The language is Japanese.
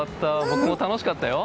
僕も楽しかったよ。